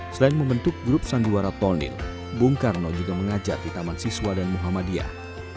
selain membentuk grup sandiwara tondil bung karno juga mengajar di taman siswa dan muhammadiyah